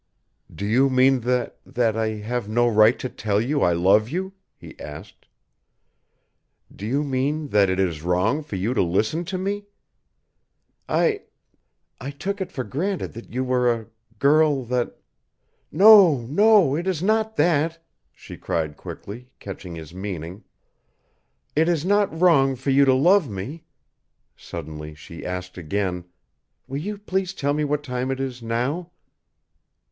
_" "Do you mean that that I have no right to tell you I love you?" he asked. "Do you mean that it is wrong for you to listen to me? I I took it for granted that you were a girl that " "No, no, it is not that," she cried quickly, catching his meaning. "It is not wrong for you to love me." Suddenly she asked again, "Will you please tell me what time it is now?"